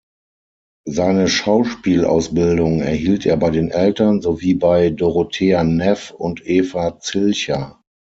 Seine Schauspielausbildung erhielt er bei den Eltern, sowie bei Dorothea Neff und Eva Zilcher.